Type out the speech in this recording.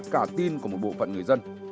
cả tin của một bộ phận người dân